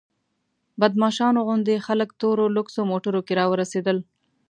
بدماشانو غوندې خلک تورو لوکسو موټرو کې راورسېدل.